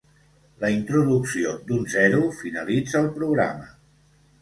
La introducció d'un zero finalitza el programa.